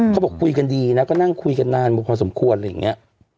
เขาบอกคุยกันดีนะก็นั่งคุยกันนานพอสมควรอะไรอย่างนี้